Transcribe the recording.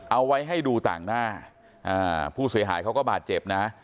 เอาไว้ให้ดูต่างหน้าผู้เสียหายเขาก็บาดเจ็บนะ